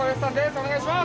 お願いします。